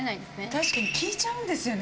確かに聞いちゃうんですよね。